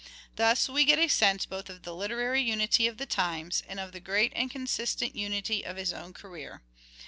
Thus we get a sense both of the literary unity of the times, and of the great and consistent unity of his own career.